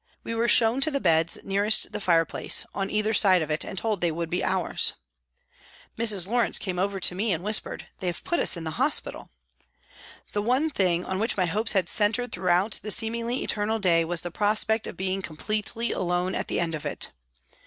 We were shown to the beds nearest the fire place, on either side of it, and told they would be ours. Mrs. Lawrence came over to me and whispered, " They have put us in hospital." The one thing on which my hopes had centred throughout that seem ingly eternal day was the prospect of being com pletely alone at the end of it.